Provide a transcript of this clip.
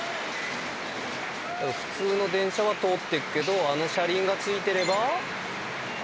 普通の電車は通っていくけどあの車輪が付いてれば。